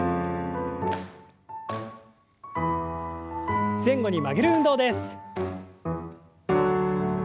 前後に曲げる運動です。